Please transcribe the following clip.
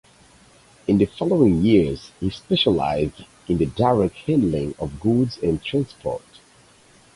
In the following years he specialized in the direct handling of goods and transport.